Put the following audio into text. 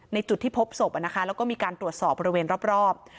จุดที่พบศพแล้วก็มีการตรวจสอบบริเวณรอบ